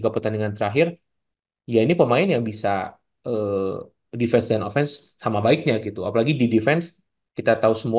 pertandingan terakhir ya ini pemain yang bisa defense dan offense sama baiknya gitu apalagi di defense kita tahu semua